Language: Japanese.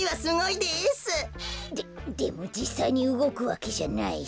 ででもじっさいにうごくわけじゃないし。